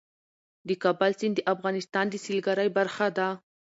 د کابل سیند د افغانستان د سیلګرۍ برخه ده.